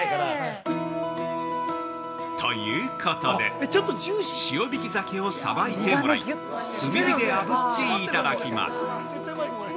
◆ということで、塩引き鮭をさばいてもらい、炭火であぶっていただきます！